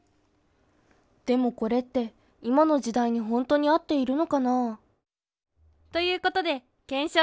でもこれって今の時代にほんとに合っているのかな？ということで検証